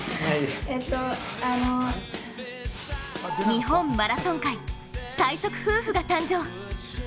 日本マラソン界最速夫婦が誕生。